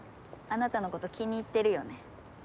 あなたのこと気に入ってるよね。